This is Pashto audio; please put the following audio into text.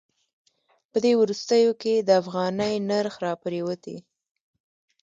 په دې وروستیو کې د افغانۍ نرخ راپریوتی.